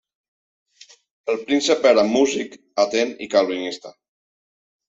El príncep era músic, atent i calvinista.